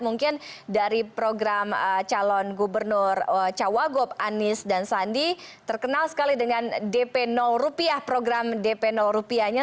mungkin dari program calon gubernur cawagup anis dan sandi terkenal sekali dengan dp rupiah program dp rupiahnya